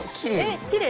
きれい！